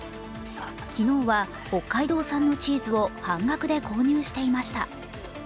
昨日は北海道産のチーズを半額で購入していました。